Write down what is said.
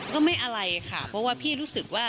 ก็ไม่อะไรค่ะเพราะว่าพี่รู้สึกว่า